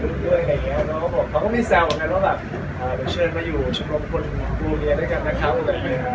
แล้วเขาก็มีแซวว่าเดี๋ยวเชิญมาอยู่ชั่วโรงคุณครูเมียด้วยกันนะครับ